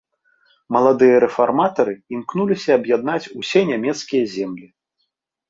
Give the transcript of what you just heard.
Маладыя рэфарматары імкнуліся аб'яднаць усе нямецкія землі.